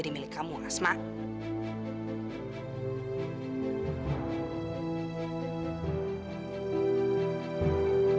sebelum kamu bisa mandiri